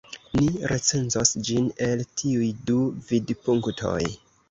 Ni recenzos ĝin el tiuj du vidpunktoj.